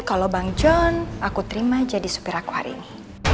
kalau bang john aku terima jadi supir aku hari ini